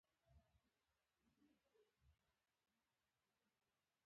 لاره يې امن ده که ناامنه؟